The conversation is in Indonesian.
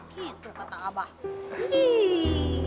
gitu kata abah